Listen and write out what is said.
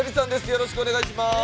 よろしくお願いします。